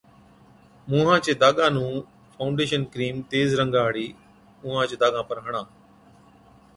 مُونهان چي داگان نُون ’فائوڊيشن‘ ڪرِيم تيز رنگا هاڙي اُونهاچ داگان پر هڻا